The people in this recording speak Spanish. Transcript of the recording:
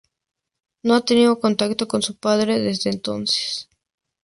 No ha tenido contacto con su padre desde entonces.